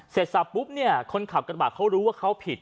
เสร็จสับปุ๊บคนขับกระบะเขารู้ว่าเขาผิด